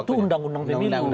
itu undang undang pemilu